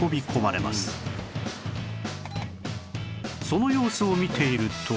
その様子を見ていると